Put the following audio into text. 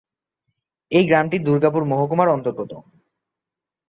এই গ্রামটি দুর্গাপুর মহকুমার অন্তর্গত।